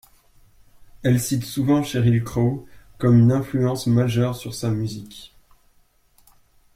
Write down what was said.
Elle cite souvent Sheryl Crow comme une influence majeure sur sa musique.